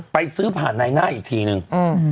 ไปซื้อผ่านในหน้าอีกทีนึง